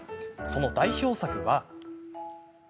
その代表作は。